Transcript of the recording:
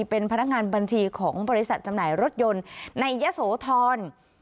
เป็นพนักงานบัญชีของบริษัทจำหน่ายรถยนต์ในยะโสธร